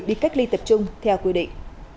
đi cách ly tập trung theo quy định